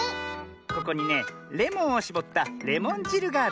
ここにねレモンをしぼったレモンじるがある。